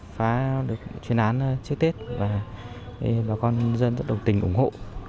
phá được chuyên án trước tết và bà con dân rất đồng tình ủng hộ